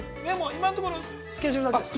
今のところはスケジュールだけですか。